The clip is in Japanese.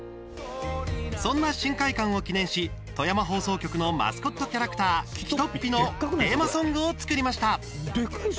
そんな新会館を記念し富山放送局のマスコットキャラクターきとっピのテーマソングを作りました。